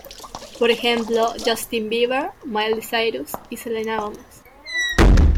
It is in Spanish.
Por ejemplo: Justin Bieber, Miley Cyrus, y Selena Gomez.